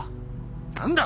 何だ？